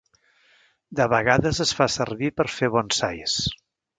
De vegades es fa servir per fer bonsais.